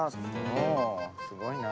すごいね。